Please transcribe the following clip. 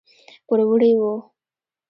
پوروړي وو.